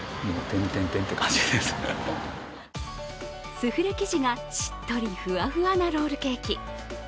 スフレ生地がしっとりふわふわなロールケーキ。